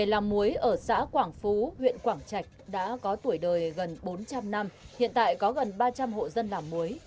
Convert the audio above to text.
làm muối ở xã quảng phú huyện quảng trạch đã có tuổi đời gần bốn trăm linh năm hiện tại có gần ba trăm linh hộ dân làm muối